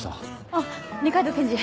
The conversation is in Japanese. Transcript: あっ二階堂検事。